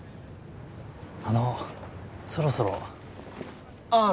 あのそろそろああ